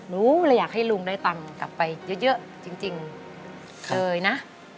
รู้เลยอยากให้ลุงได้ตังค์กลับไปเยอะจริงเคยนะ